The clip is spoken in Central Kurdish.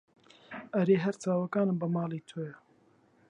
ئەرێ هەر چاوەکانم بە ماڵی تۆیە